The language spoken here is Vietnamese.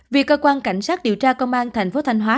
vì cơ quan cảnh sát điều tra công an thành phố thanh hóa